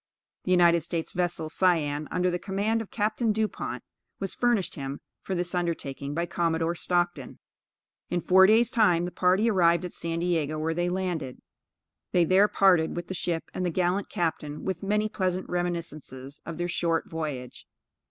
The United States vessel Cyane, under the command of Capt. Dupont, was furnished him for this undertaking by Commodore Stockton. In four days time the party arrived at San Diego, where they landed. They there parted with the ship and the gallant captain, with many pleasant reminiscences of their short voyage.